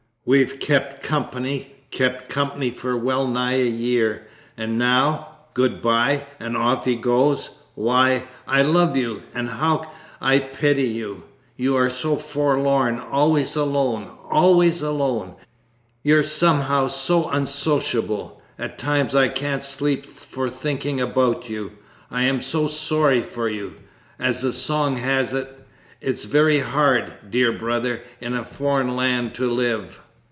We've kept company, kept company for well nigh a year, and now "Good bye!" and off he goes! Why, I love you, and how I pity you! You are so forlorn, always alone, always alone. You're somehow so unsociable. At times I can't sleep for thinking about you. I am so sorry for you. As the song has it: "It is very hard, dear brother, In a foreign land to live."